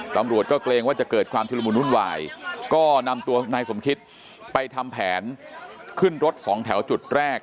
ตำรวจก็เกรงว่าจะเกิดความชุดละมุนวุ่นวายก็นำตัวนายสมคิตไปทำแผนขึ้นรถสองแถวจุดแรก